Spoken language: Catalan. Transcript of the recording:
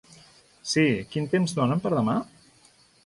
Si, quin temps donen per demà?